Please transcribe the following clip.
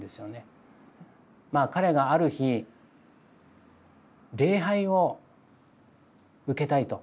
まあ彼がある日「礼拝を受けたい」と。